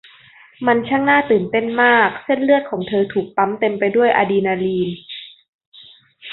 มันช่างน่าตื่นเต้นมากเส้นเลือดของเธอถูกปั๊มเต็มไปด้วยอะดรีนาลีน